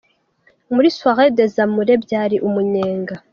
Muri Soirée des Amoureux byari umunyenga .